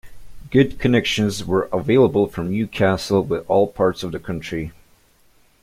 Good connections were available from Newcastle with all parts of the country.